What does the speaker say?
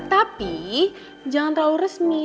tetapi jangan terlalu resmi